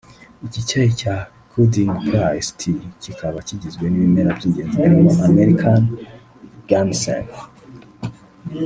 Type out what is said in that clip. Iki cyayi cya kuding plus tea kikaba kigizwe n’ibimera by’ingezi birimo American ginseng